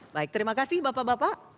baik terima kasih bapak bapak